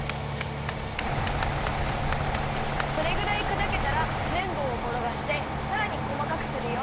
それぐらいくだけたらめんぼうをころがしてさらにこまかくするよ。